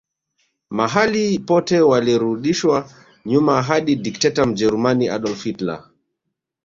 Mahali pote walirudishwa nyuma hadi Dikteta Mjerumani Adolf Hitler